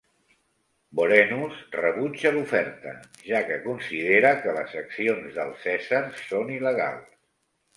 Vorenus rebutja l'oferta, ja que considera que les accions del Cèsar són il·legals.